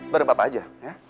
bareng papa aja ya